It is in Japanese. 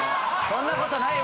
そんなことない。